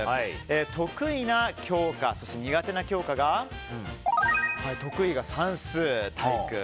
得意な教科、そして苦手な教科が得意が算数、体育。